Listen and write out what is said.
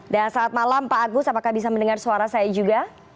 dan saat malam pak agus apakah bisa mendengar suara saya juga